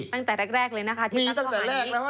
ตั้งแต่แรกเลยนะคะที่ตั้งข้อหานี้มีตั้งแต่แรกแล้วค่ะ